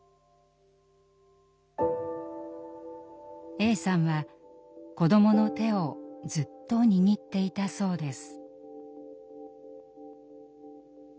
Ａさんは子どもの手をずっと握っていたそうです。